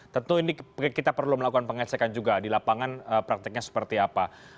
tentu ini kita perlu melakukan pengecekan juga di lapangan prakteknya seperti apa